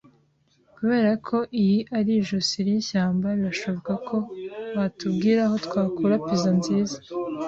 Kubera ko iyi ari ijosi ryishyamba, birashoboka ko watubwira aho twakura pizza nziza.